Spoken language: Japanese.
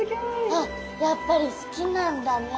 あやっぱり好きなんだね